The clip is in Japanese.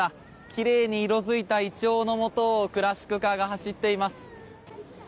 奇麗に色付いたイチョウのもとクラシックカーが走っています。